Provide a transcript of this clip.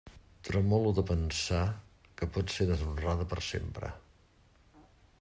Tremole de pensar que pot ser deshonrada per sempre.